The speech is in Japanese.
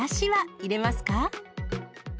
入れます。